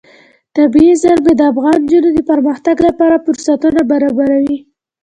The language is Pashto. طبیعي زیرمې د افغان نجونو د پرمختګ لپاره فرصتونه برابروي.